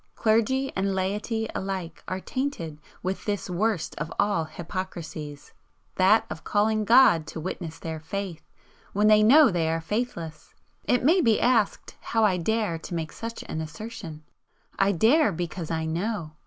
Clergy and laity alike are tainted with this worst of all hypocrisies that of calling God to witness their faith when they know they are faithless. It may be asked how I dare to make such an assertion? I dare, because I know!